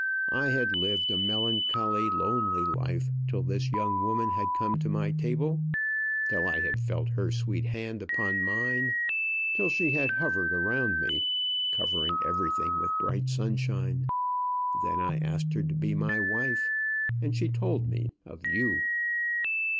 I had lived a melancholy, lonely life till this young woman had come to my table, till I had felt her sweet hand upon mine, till she had hovered around me, covering everything with bright sunshine. Then I asked her to be my wife; and she told me of you."